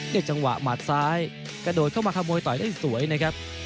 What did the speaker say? ในจังหวะมาดสายกระโดดเข้ามาคำมวยต่อยได้สวยนะครับ